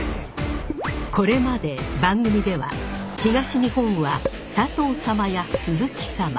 これまで番組では東日本は佐藤様や鈴木様